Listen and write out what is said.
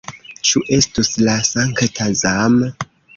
Ĉu estus la sankta Zam?